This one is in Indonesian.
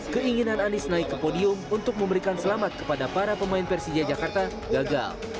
keinginan anies naik ke podium untuk memberikan selamat kepada para pemain persija jakarta gagal